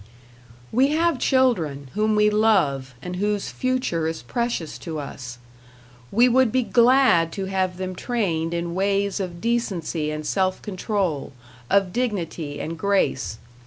We have children, whom we love, and whose future is precious to us. We would be glad to have them trained in ways of decency and self control, of dignity and grace.